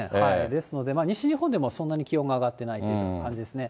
ですので、西日本でもそんなに気温が上がっていないという感じですね。